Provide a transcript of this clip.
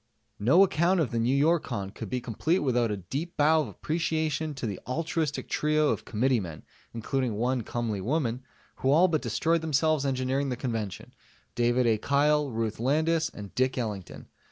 No account of the Newyorcon could be complete without a deep bow of appreciation to the altruistic trio of committeemen (including one comely woman) who all but destroyed themselves engineering the Convention: David A. Kyle, Ruth Landis and Dick Ellington.